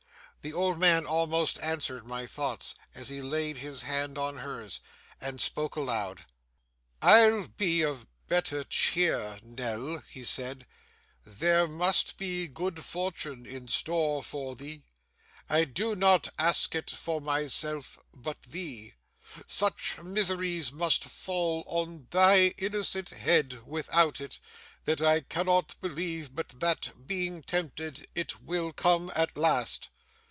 The old man almost answered my thoughts, as he laid his hand on hers, and spoke aloud. 'I'll be of better cheer, Nell,' he said; 'there must be good fortune in store for thee I do not ask it for myself, but thee. Such miseries must fall on thy innocent head without it, that I cannot believe but that, being tempted, it will come at last!